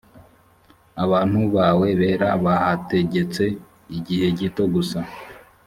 abantu bawe bera bahategetse igihe gito gusa .